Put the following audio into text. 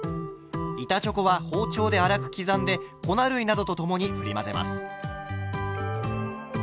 板チョコは包丁で粗くきざんで粉類などと共にふり混ぜます。